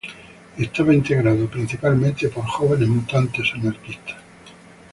Estaba integrado principalmente por jóvenes mutantes anarquistas.